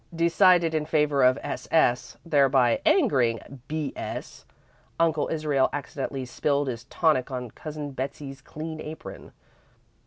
Decided in favour of S. S., thereby angering B. S. Uncle Israel accidentally spilled his tonic on Cousin Betsey's clean apron.